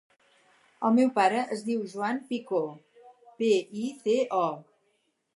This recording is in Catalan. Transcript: El meu pare es diu Joan Pico: pe, i, ce, o.